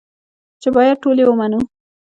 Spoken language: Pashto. چې بايد ټول يې ومنو.